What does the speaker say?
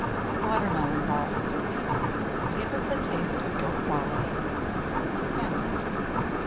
II WATERMELON BALLS Give us a taste of your quality. — Hamlet.